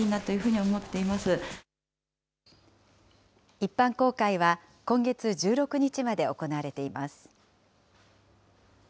一般公開は、今月１６日まで行われています。